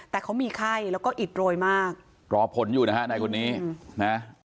แต่เขามีไข้แล้วก็อิดโรยมากรอผลอยู่นะฮะในคนนี้นะ